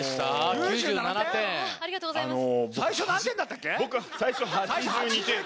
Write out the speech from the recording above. ９７点⁉ありがとうございます。